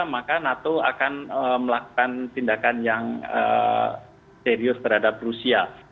maka nato akan melakukan tindakan yang serius terhadap rusia